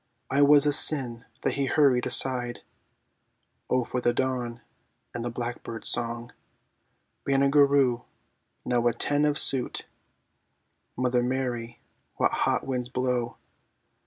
"I was a sin that he hurried aside ..." O for the dawn and the blackbird's song! Banagher Rhue, now a ten of suit; (Mother Mary, what hot winds blow!)